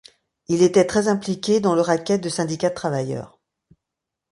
Il était très impliqué dans le racket de syndicats de travailleurs.